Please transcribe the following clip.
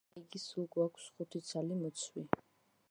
ესე იგი, სულ გვაქვს ხუთი ცალი მოცვი.